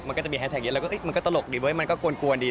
มันก็จะมีแฮชแท็กเยอะแล้วก็มันก็ตลกดีเว้ยมันก็กวนดี